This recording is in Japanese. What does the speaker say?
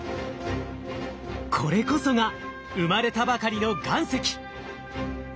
これこそが生まれたばかりの岩石。